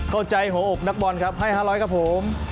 เข้าใจหัวอบนักบอลครับให้๕๐๐บาทครับผม